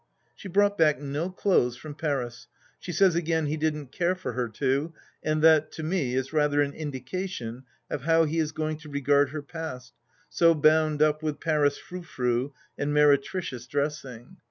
She brought back no clothes from Paris. She says, again, he didn't care for her to, and that, to me, is rather an indication of how he is going to regard her past, so bound up with Paris frou frou and meretricious dressing.